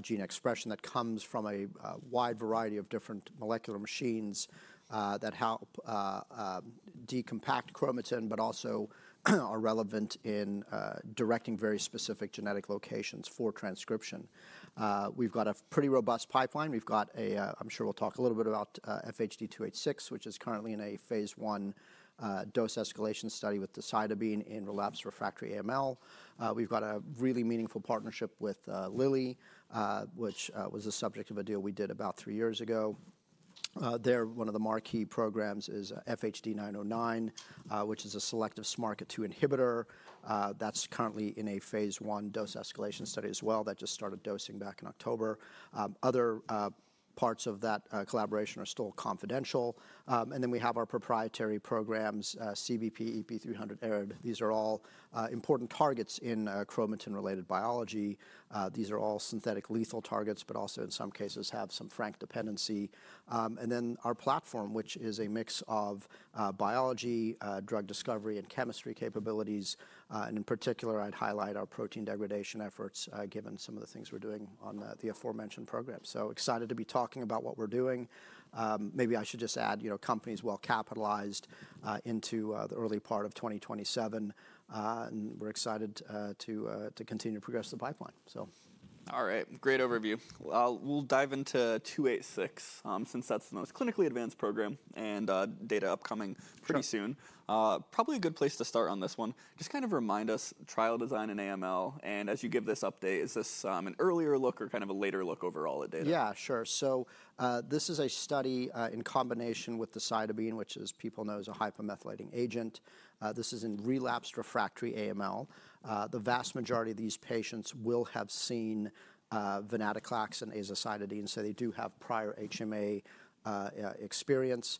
gene expression that comes from a wide variety of different molecular machines that help decompact chromatin, but also are relevant in directing very specific genetic locations for transcription. We've got a pretty robust pipeline. We've got a. I'm sure we'll talk a little bit about FHD-286, which is currently in a phase one dose escalation study with decitabine in relapsed refractory AML. We've got a really meaningful partnership with Lilly, which was the subject of a deal we did about three years ago. There, one of the marquee programs is FHD-909, which is a selective SMARCA2 inhibitor that's currently in a phase one dose escalation study as well that just started dosing back in October. Other parts of that collaboration are still confidential. And then we have our proprietary programs, CBP, EP300, ARID. These are all important targets in chromatin-related biology. These are all synthetic lethal targets, but also in some cases have some frank dependency. And then our platform, which is a mix of biology, drug discovery, and chemistry capabilities. And in particular, I'd highlight our protein degradation efforts given some of the things we're doing on the aforementioned program. So excited to be talking about what we're doing. Maybe I should just add, company's well capitalized into the early part of 2027. And we're excited to continue to progress the pipeline, so. All right, great overview. We'll dive into FHD-286 since that's the most clinically advanced program and data upcoming pretty soon. Probably a good place to start on this one. Just kind of remind us, trial design and AML, and as you give this update, is this an earlier look or kind of a later look overall at data? Yeah, sure. So this is a study in combination with decitabine, which people know as a hypomethylating agent. This is in relapsed refractory AML. The vast majority of these patients will have seen venetoclax and azacitidine, so they do have prior HMA experience.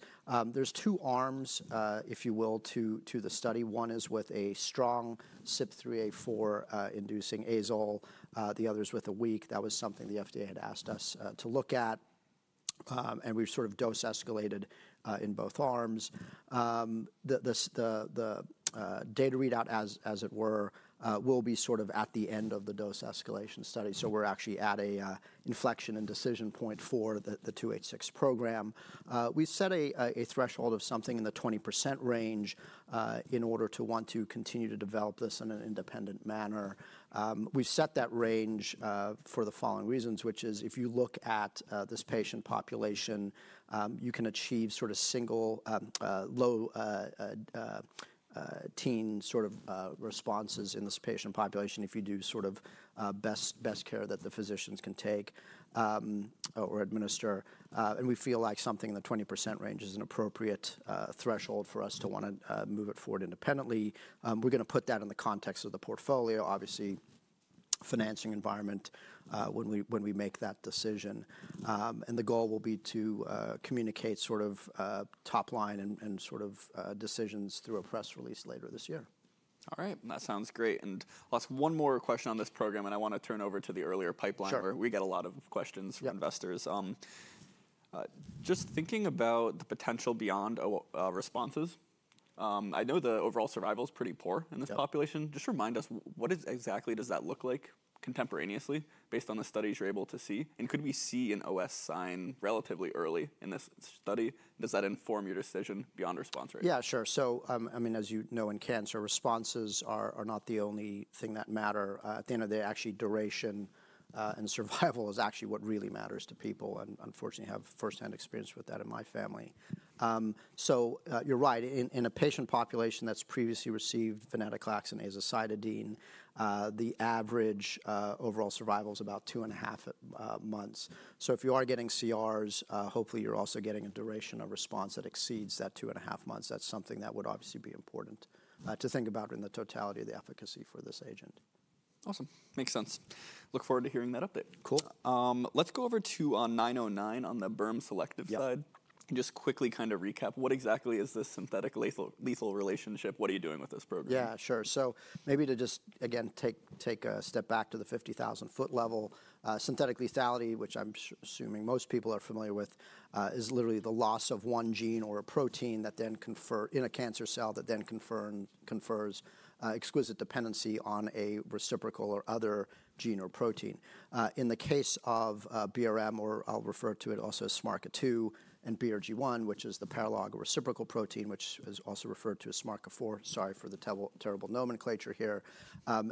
There's two arms, if you will, to the study. One is with a strong CYP3A4 inducing azole. The other is with a weak. That was something the FDA had asked us to look at, and we've sort of dose escalated in both arms. The data readout, as it were, will be sort of at the end of the dose escalation study, so we're actually at an inflection and decision point for the FHD-286 program. We set a threshold of something in the 20% range in order to want to continue to develop this in an independent manner. We've set that range for the following reasons, which is if you look at this patient population, you can achieve sort of single low teen sort of responses in this patient population if you do sort of best care that the physicians can take or administer, and we feel like something in the 20% range is an appropriate threshold for us to want to move it forward independently. We're going to put that in the context of the portfolio, obviously, financing environment when we make that decision, and the goal will be to communicate sort of top line and sort of decisions through a press release later this year. All right, that sounds great. And I'll ask one more question on this program, and I want to turn over to the earlier pipeline where we get a lot of questions from investors. Just thinking about the potential beyond responses, I know the overall survival is pretty poor in this population. Just remind us, what exactly does that look like contemporaneously based on the studies you're able to see? And could we see an OS sign relatively early in this study? Does that inform your decision beyond response rate? Yeah, sure. So I mean, as you know, in cancer, responses are not the only thing that matter. At the end of the day, actually duration and survival is actually what really matters to people. And unfortunately, I have firsthand experience with that in my family. So you're right. In a patient population that's previously received venetoclax and azacitidine, the average overall survival is about two and a half months. So if you are getting CRs, hopefully you're also getting a duration of response that exceeds that two and a half months. That's something that would obviously be important to think about in the totality of the efficacy for this agent. Awesome. Makes sense. Look forward to hearing that update. Cool. Let's go over to FHD-909 on the BRM selective side. Just quickly kind of recap, what exactly is this synthetic lethal relationship? What are you doing with this program? Yeah, sure. So maybe to just again take a step back to the 50,000 foot level, synthetic lethality, which I'm assuming most people are familiar with, is literally the loss of one gene or a protein that then confers in a cancer cell that then confers exquisite dependency on a reciprocal or other gene or protein. In the case of BRM, or I'll refer to it also as SMARCA2 and BRG1, which is the paralog reciprocal protein, which is also referred to as SMARCA4, sorry for the terrible nomenclature here.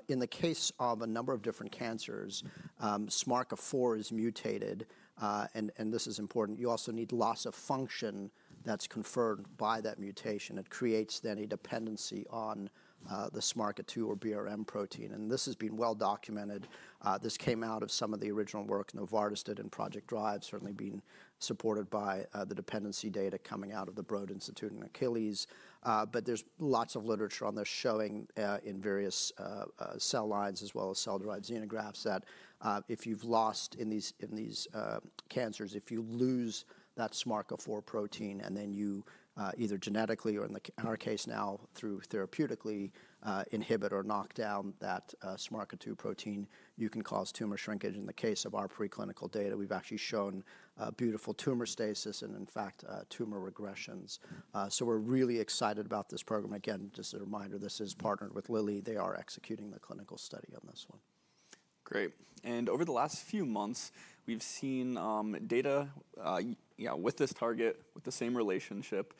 In the case of a number of different cancers, SMARCA4 is mutated. And this is important. You also need loss of function that's conferred by that mutation. It creates then a dependency on the SMARCA2 or BRM protein. And this has been well documented. This came out of some of the original work Novartis did and Project DRIVE, certainly being supported by the dependency data coming out of the Broad Institute and Achilles. But there's lots of literature on this showing in various cell lines as well as cell-derived xenografts that if you lose that SMARCA4 protein and then you either genetically or in our case now through therapeutically inhibit or knock down that SMARCA2 protein, you can cause tumor shrinkage. In the case of our preclinical data, we've actually shown beautiful tumor stasis and in fact tumor regressions. So we're really excited about this program. Again, just a reminder, this is partnered with Lilly. They are executing the clinical study on this one. Great. And over the last few months, we've seen data with this target, with the same relationship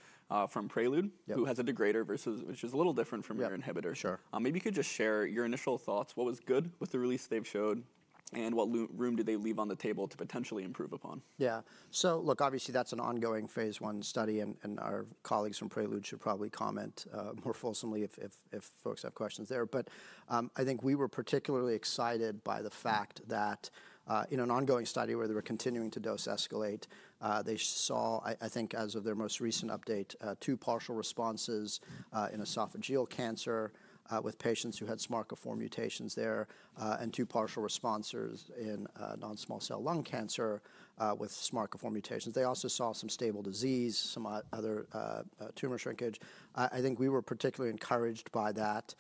from Prelude, who has a degrader versus which is a little different from your inhibitor. Maybe you could just share your initial thoughts. What was good with the release they've showed and what room did they leave on the table to potentially improve upon? Yeah. So look, obviously that's an ongoing phase one study and our colleagues from Prelude should probably comment more fulsomely if folks have questions there. But I think we were particularly excited by the fact that in an ongoing study where they were continuing to dose escalate, they saw, I think as of their most recent update, two partial responses in esophageal cancer with patients who had SMARCA4 mutations there and two partial responses in non-small cell lung cancer with SMARCA4 mutations. They also saw some stable disease, some other tumor shrinkage. I think we were particularly encouraged by that.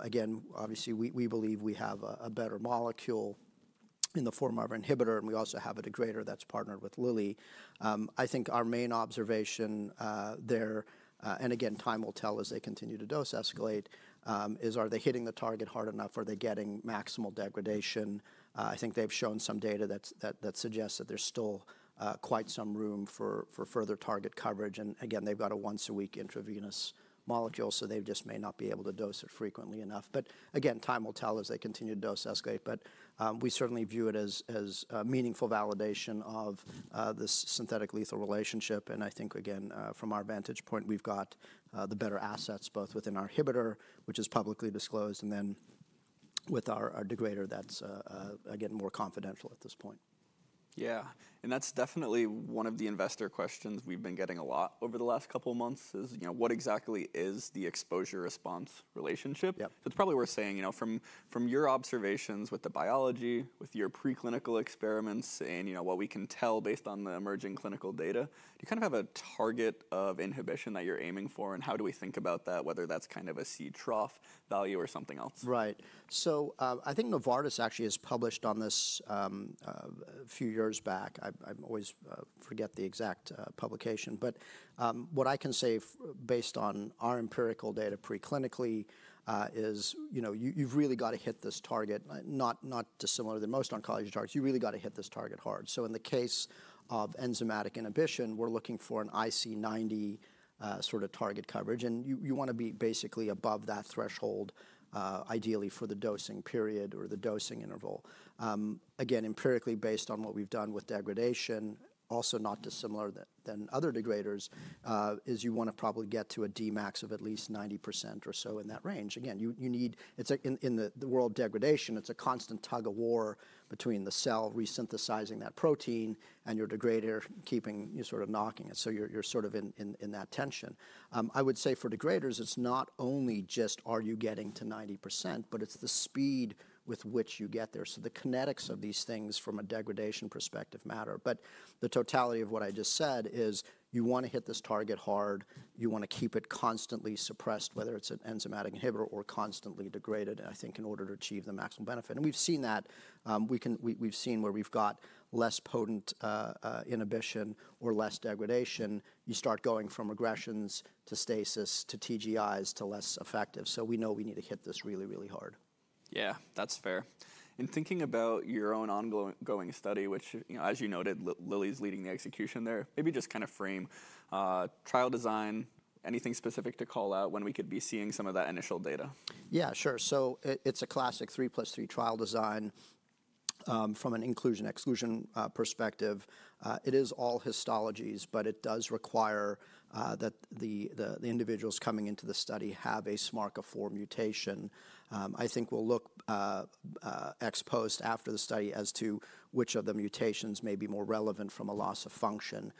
Again, obviously we believe we have a better molecule in the form of our inhibitor and we also have a degrader that's partnered with Lilly. I think our main observation there, and again, time will tell as they continue to dose escalate, is are they hitting the target hard enough? Are they getting maximal degradation? I think they've shown some data that suggests that there's still quite some room for further target coverage, and again, they've got a once-a-week intravenous molecule, so they just may not be able to dose it frequently enough. But again, time will tell as they continue to dose escalate. We certainly view it as meaningful validation of this synthetic lethal relationship, and I think again, from our vantage point, we've got the better assets both within our inhibitor, which is publicly disclosed, and then with our degrader that's again more confidential at this point. Yeah. And that's definitely one of the investor questions we've been getting a lot over the last couple of months is what exactly is the exposure response relationship? So it's probably worth saying from your observations with the biology, with your preclinical experiments and what we can tell based on the emerging clinical data, do you kind of have a target of inhibition that you're aiming for and how do we think about that, whether that's kind of a C trough value or something else? Right. So I think Novartis actually has published on this a few years back. I always forget the exact publication. But what I can say based on our empirical data preclinically is you've really got to hit this target, not dissimilar to most oncology targets. You really got to hit this target hard. So in the case of enzymatic inhibition, we're looking for an IC90 sort of target coverage. And you want to be basically above that threshold ideally for the dosing period or the dosing interval. Again, empirically based on what we've done with degradation, also not dissimilar than other degraders, is you want to probably get to a Dmax of at least 90% or so in that range. Again, you need, in the world of degradation, it's a constant tug of war between the cell resynthesizing that protein and your degrader keeping sort of knocking it. So you're sort of in that tension. I would say for degraders, it's not only just are you getting to 90%, but it's the speed with which you get there. So the kinetics of these things from a degradation perspective matter. But the totality of what I just said is you want to hit this target hard. You want to keep it constantly suppressed, whether it's an enzymatic inhibitor or constantly degraded, I think in order to achieve the maximum benefit. And we've seen that. We've seen where we've got less potent inhibition or less degradation. You start going from regressions to stasis to TGIs to less effective. So we know we need to hit this really, really hard. Yeah, that's fair. And thinking about your own ongoing study, which as you noted, Lilly's leading the execution there, maybe just kind of frame trial design, anything specific to call out when we could be seeing some of that initial data? Yeah, sure. So it's a classic three plus three trial design from an inclusion-exclusion perspective. It is all histologies, but it does require that the individuals coming into the study have a SMARCA4 mutation. I think we'll look ex post after the study as to which of the mutations may be more relevant from a loss of function.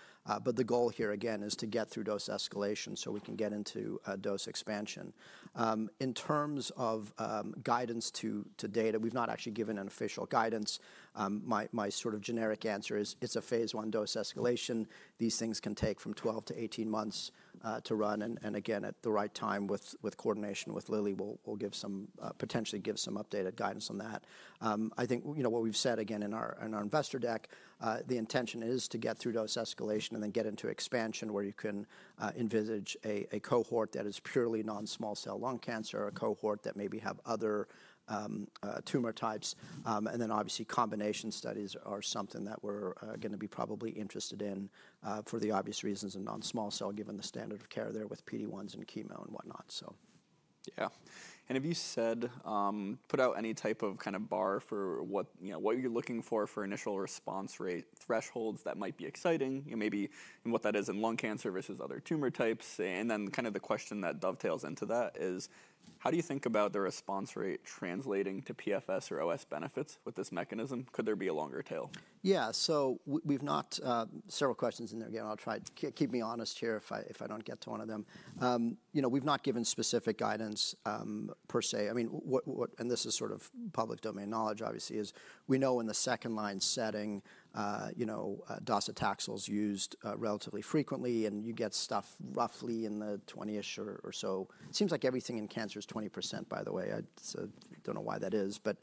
But the goal here again is to get through dose escalation so we can get into dose expansion. In terms of guidance to data, we've not actually given an official guidance. My sort of generic answer is it's a phase one dose escalation. These things can take from 12-18 months to run. And again, at the right time with coordination with Lilly, we'll potentially give some updated guidance on that. I think what we've said again in our investor deck, the intention is to get through dose escalation and then get into expansion where you can envisage a cohort that is purely non-small cell lung cancer or a cohort that maybe have other tumor types. And then obviously combination studies are something that we're going to be probably interested in for the obvious reasons of non-small cell given the standard of care there with PD-1s and chemo and whatnot, so. Yeah. And have you put out any type of kind of bar for what you're looking for for initial response rate thresholds that might be exciting? Maybe what that is in lung cancer versus other tumor types. And then kind of the question that dovetails into that is how do you think about the response rate translating to PFS or OS benefits with this mechanism? Could there be a longer tail? Yeah. So we've got several questions in there again. I'll try to keep me honest here if I don't get to one of them. We've not given specific guidance per se. I mean, and this is sort of public domain knowledge obviously is we know in the second line setting, docetaxel is used relatively frequently and you get stuff roughly in the 20-ish or so. It seems like everything in cancer is 20% by the way. I don't know why that is, but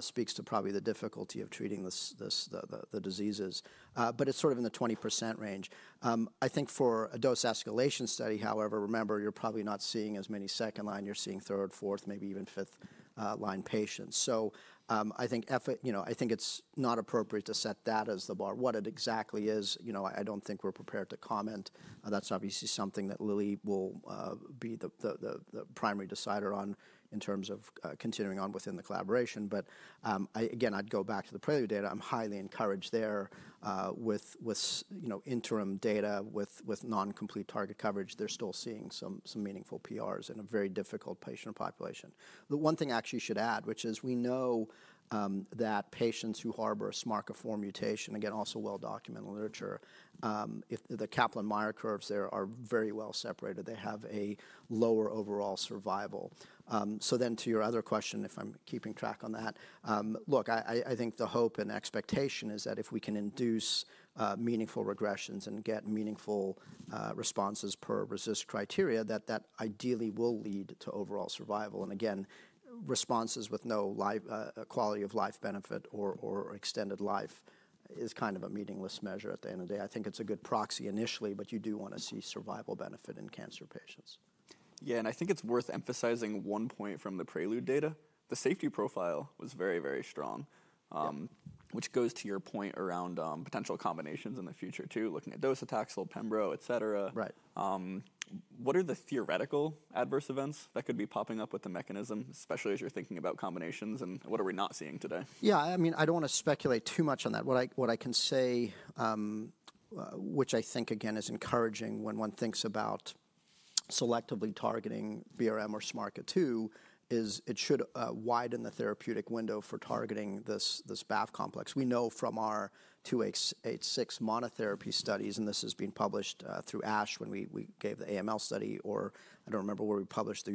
speaks to probably the difficulty of treating the diseases. But it's sort of in the 20% range. I think for a dose escalation study, however, remember you're probably not seeing as many second line, you're seeing third, fourth, maybe even fifth line patients. So I think it's not appropriate to set that as the bar. What it exactly is, I don't think we're prepared to comment. That's obviously something that Lilly will be the primary decider on in terms of continuing on within the collaboration. But again, I'd go back to the Prelude data. I'm highly encouraged there with interim data with non-complete target coverage. They're still seeing some meaningful PRs in a very difficult patient population. The one thing I actually should add, which is we know that patients who harbor a SMARCA4 mutation, again, also well documented in the literature, the Kaplan-Meier curves there are very well separated. They have a lower overall survival. So then to your other question, if I'm keeping track on that, look, I think the hope and expectation is that if we can induce meaningful regressions and get meaningful responses per RECIST criteria, that that ideally will lead to overall survival. Again, responses with no quality of life benefit or extended life is kind of a meaningless measure at the end of the day. I think it's a good proxy initially, but you do want to see survival benefit in cancer patients. Yeah. And I think it's worth emphasizing one point from the Prelude data. The safety profile was very, very strong, which goes to your point around potential combinations in the future too, looking at docetaxel, pembro, et cetera. What are the theoretical adverse events that could be popping up with the mechanism, especially as you're thinking about combinations and what are we not seeing today? Yeah. I mean, I don't want to speculate too much on that. What I can say, which I think again is encouraging when one thinks about selectively targeting BRM or SMARCA2, is it should widen the therapeutic window for targeting this BAF complex. We know from our FHD-286 monotherapy studies, and this has been published through ASH when we gave the AML study, or I don't remember where we published the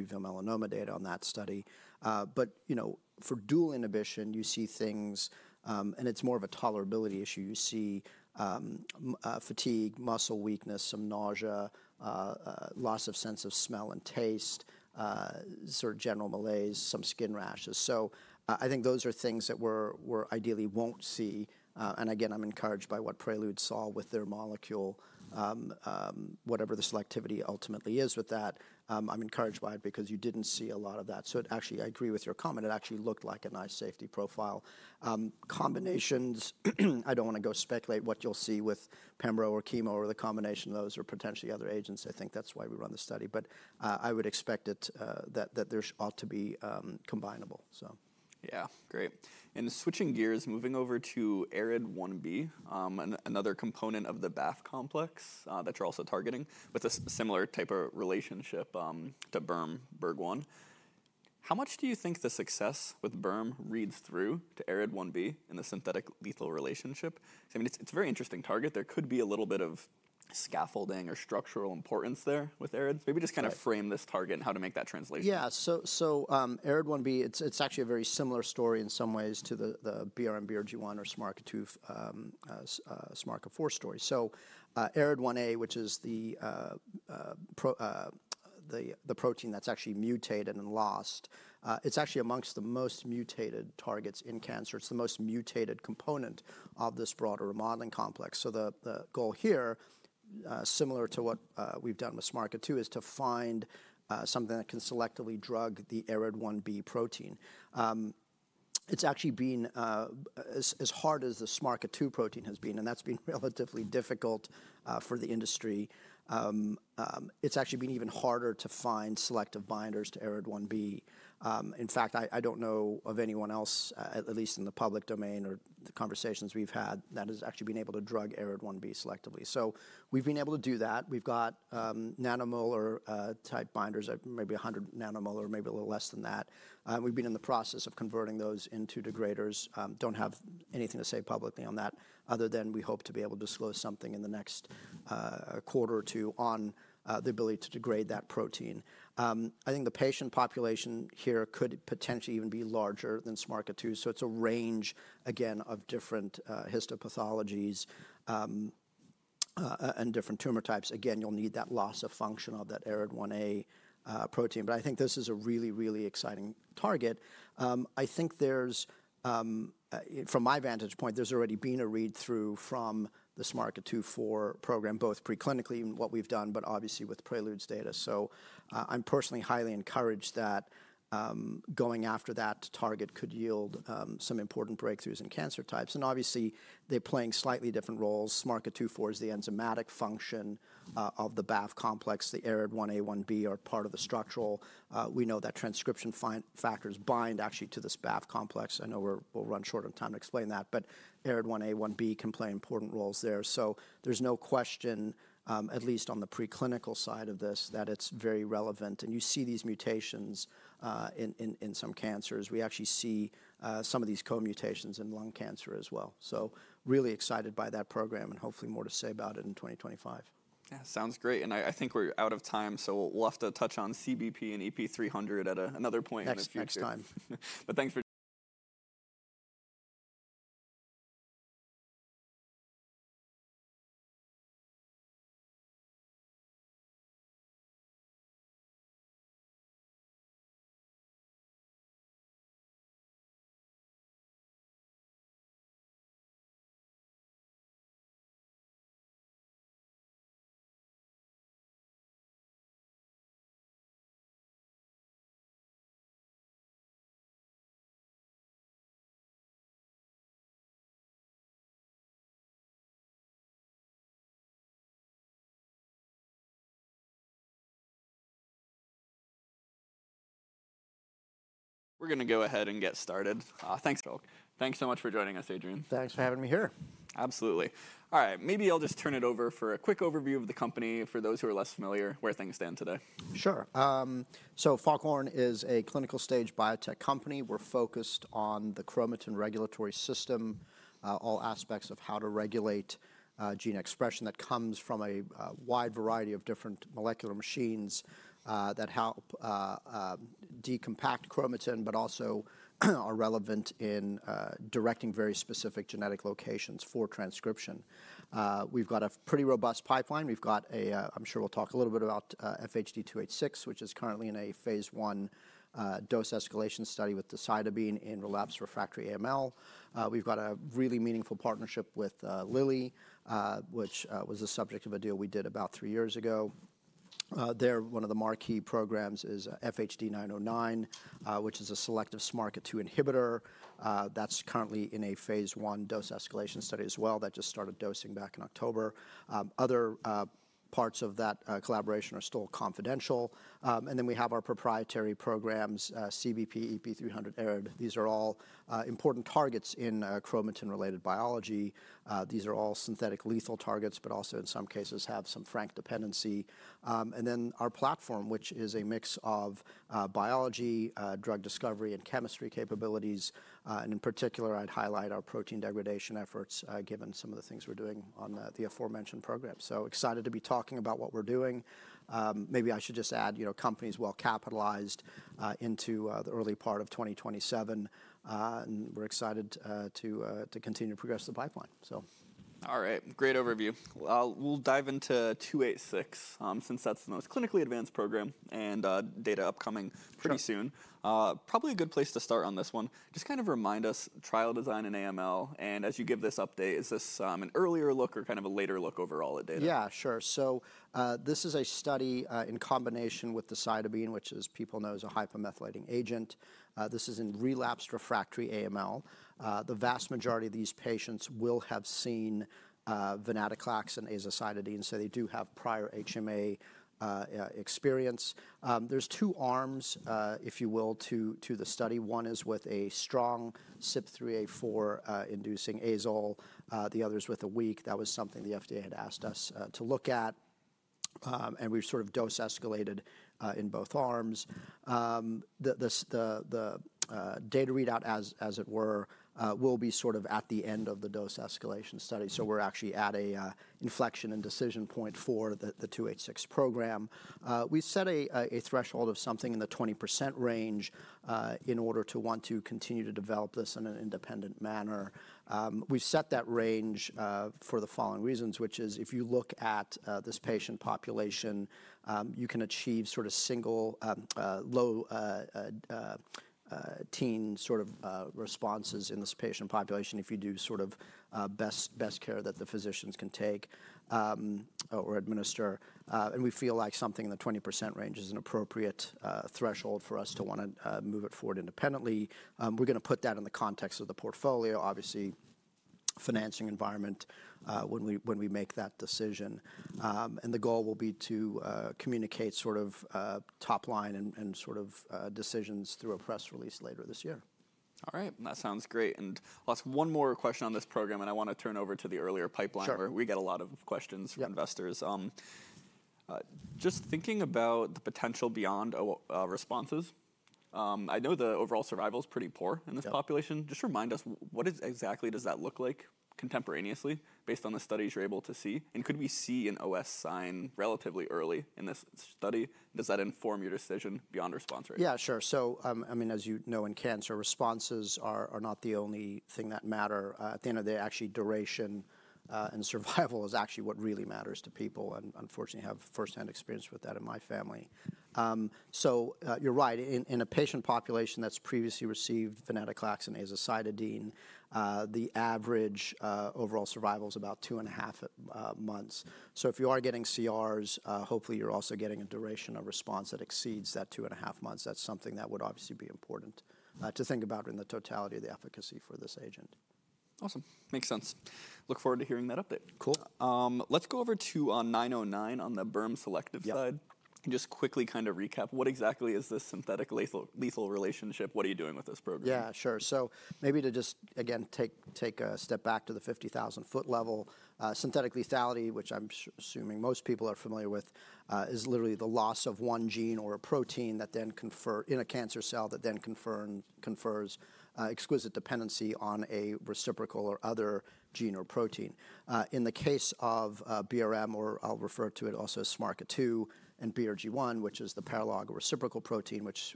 uveal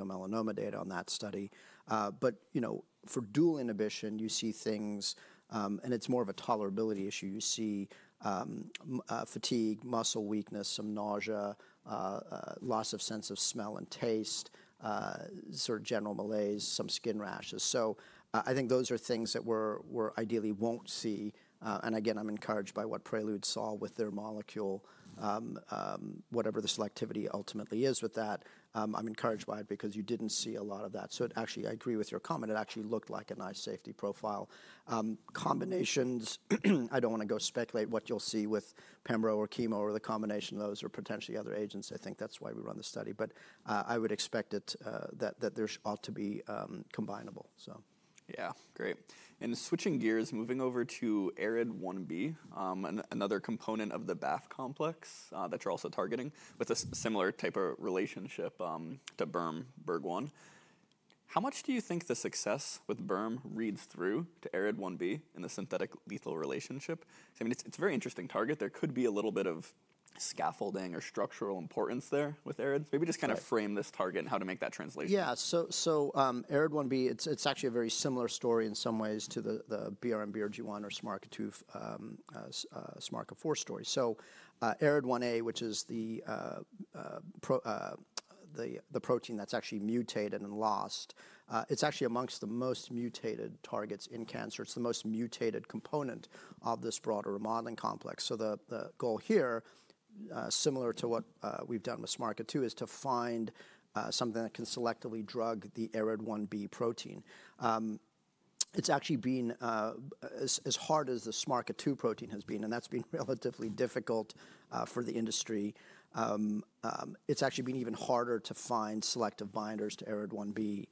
melanoma data on that study. But for dual inhibition, you see things, and it's more of a tolerability issue. You see fatigue, muscle weakness, some nausea, loss of sense of smell and taste, sort of general malaise, some skin rashes. So I think those are things that we're ideally won't see. And again, I'm encouraged by what Prelude saw with their molecule, whatever the selectivity ultimately is with that. I'm encouraged by it because you didn't see a lot of that. So actually I agree with your comment. It actually looked like a nice safety profile. Combinations, I don't want to go speculate what you'll see with pembro or chemo or the combination of those or potentially other agents. I think that's why we run the study. But I would expect that there ought to be combinable, so. Yeah. Great. And switching gears, moving over to ARID1B, another component of the BAF complex that you're also targeting with a similar type of relationship to BRM-BRG1. How much do you think the success with BRM reads through to ARID1B in the synthetic lethal relationship? I mean, it's a very interesting target. There could be a little bit of scaffolding or structural importance there with ARIDs. Maybe just kind of frame this target and how to make that translation. Yeah. So ARID1B, it's actually a very similar story in some ways to the BRM-BRG1 or SMARCA2 SMARCA4 story. So ARID1A, which is the protein that's actually mutated and lost, it's actually amongst the most mutated targets in cancer. It's the most mutated component of this broader remodeling complex. So the goal here, similar to what we've done with SMARCA2, is to find something that can selectively drug the ARID1B protein. It's actually been as hard as the SMARCA2 protein has been, and that's been relatively difficult for the industry. It's actually been even harder to find selective binders to ARID1B.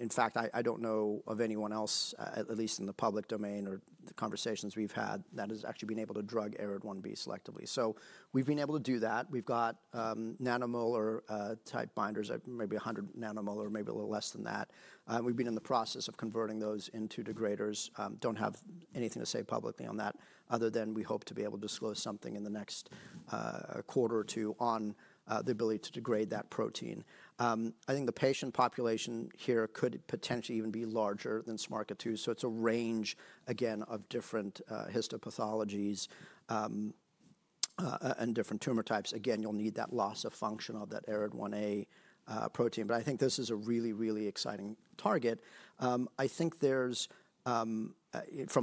In fact, I don't know of anyone else, at least in the public domain or the conversations we've had, that has actually been able to drug ARID1B selectively. So we've been able to do that. We've got nanomolar type binders at maybe 100 nanomolar or maybe a little less than that. We've been in the process of converting those into degraders. Don't have anything to say publicly on that other than we hope to be able to disclose something in the next quarter or two on the ability to degrade that protein. I think the patient population here could potentially even be larger than SMARCA2. So it's a range, again, of different histopathologies and different tumor types. Again, you'll need that loss of function of that ARID1A protein. But I think this is a really, really exciting target. I think from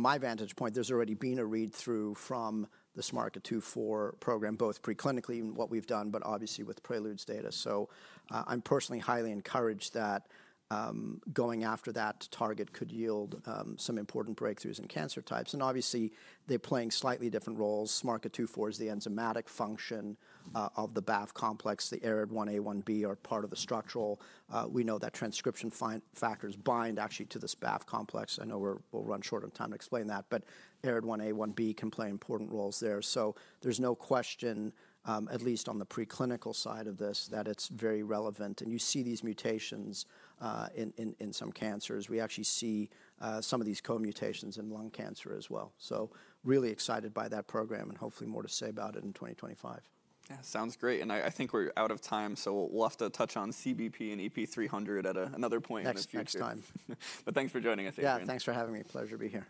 my vantage point, there's already been a read-through from the SMARCA2-4 program, both preclinically and what we've done, but obviously with Prelude's data. So I'm personally highly encouraged that going after that target could yield some important breakthroughs in cancer types. Obviously they're playing slightly different roles. SMARCA2-4 is the enzymatic function of the BAF complex. The ARID1A, ARID1B are part of the structural. We know that transcription factors bind actually to this BAF complex. I know we'll run short on time to explain that, but ARID1A, ARID1B can play important roles there. So there's no question, at least on the preclinical side of this, that it's very relevant. And you see these mutations in some cancers. We actually see some of these co-mutations in lung cancer as well. So really excited by that program and hopefully more to say about it in 2025. Yeah. Sounds great. And I think we're out of time. So we'll have to touch on CBP and EP300 at another point in the future. Next time. But thanks for joining us. Yeah. Thanks for having me. Pleasure to be here.